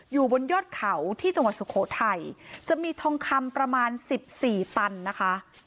อยู่บนยอดเขาที่จังหวัดสุโขทัยจะมีทองคำประมาณสิบสี่ตันนะคะ